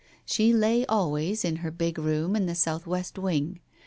She lay always in her big room in the south west wing.